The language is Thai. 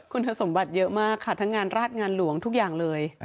คุณสมบัติเยอะมากค่ะทั้งงานราชงานหลวงทุกอย่างเลย